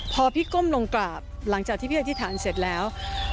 พอพี่ก้มลงกราบหลังจากที่พี่อธิษฐานเสร็จแล้ว